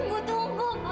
kenapa tidak boleh